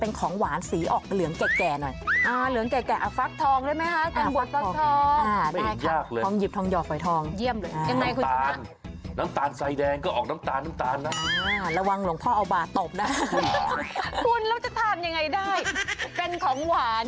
เป็นของหวานเน้นสีเหลือทอง